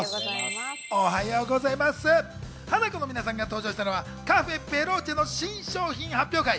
ハナコの皆さんが登場したのはカフェ・ベローチェの新商品発表会。